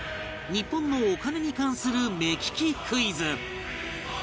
日本のお金に関する目利きクイズ